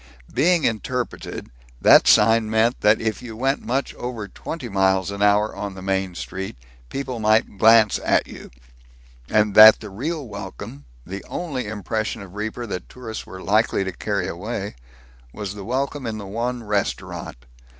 Being interpreted, that sign meant that if you went much over twenty miles an hour on the main street, people might glance at you; and that the real welcome, the only impression of Reaper that tourists were likely to carry away, was the welcome in the one restaurant.